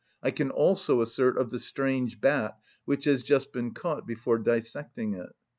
I can also assert of the strange bat which has just been caught, before dissecting it.